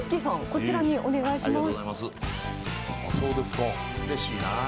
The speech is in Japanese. こちらにお願いします。